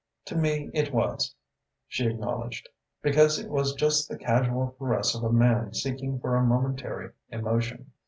"To me it was," she acknowledged, "because it was just the casual caress of a man seeking for a momentary emotion.